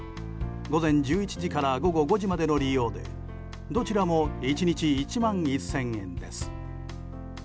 午前１１時から午後５時までの利用でどちらも１日１万１０００円です。